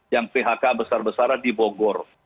yang phk besar besaran dipogor